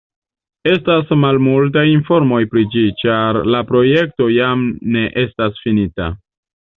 Estas malmultaj informoj pri ĝi, ĉar la projekto jam ne estas finita.